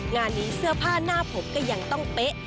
งานนี้เสื้อผ้าหน้าผมก็ยังต้องเป๊ะ